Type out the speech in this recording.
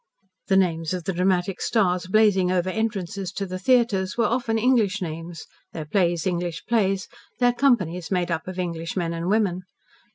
The names of the dramatic stars blazing over entrances to the theatres were often English names, their plays English plays, their companies made up of English men and women.